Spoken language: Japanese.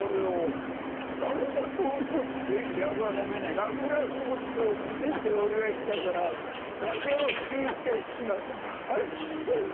桜吹雪を見せておりやしたから風邪をひいてしまったハクション！